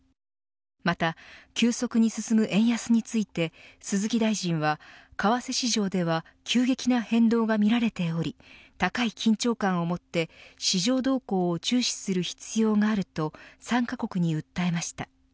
また、急速に進む円安について鈴木大臣は為替市場では急激な変動が見られており高い緊張感をもって市場動向を注視する必要があると参加国に訴えました。